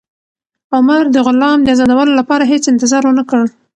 عمر د غلام د ازادولو لپاره هېڅ انتظار ونه کړ.